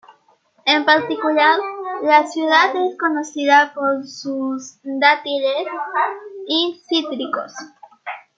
En particular, la ciudad es conocida por sus dátiles y cítricos.